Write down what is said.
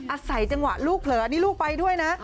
อาศัยจังหวะลูกเผลอนี่ลูกไปด้วยนะ